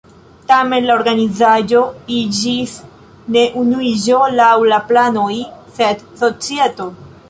Tamen la organizaĵo iĝis ne Unuiĝo laŭ la planoj, sed "Societo".